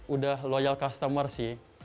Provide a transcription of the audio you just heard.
udah loyal customer sih